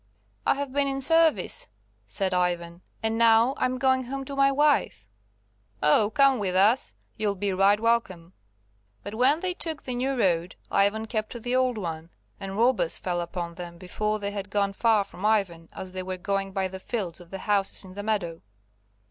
"I have been in service," said Ivan, "And now I'm going home to my wife." "Oh, come with us! you'll be right welcome." But when they took the new road Ivan kept to the old one. And robbers fell upon them before they had gone far from Ivan as they were going by the fields of the houses in the meadow.